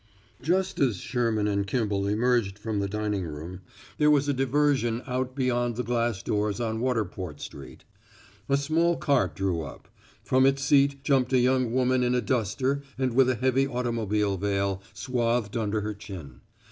Just as Sherman and Kimball emerged from the dining room, there was a diversion out beyond the glass doors on Waterport Street. A small cart drew up; from its seat jumped a young woman in a duster and with a heavy automobile veil swathed under her chin.